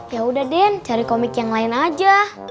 yaudah den cari komik yang lain aja